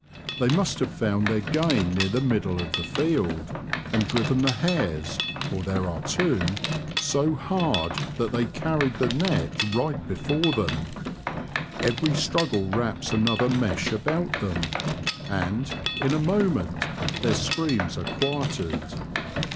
They must have found their game near the middle of the field, and driven the hares — for there are two — so hard that they carried the net right before them ; every struggle wraps another mesh about them, and, in a moment, their screams are quieted.